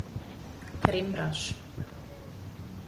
Kareem Rush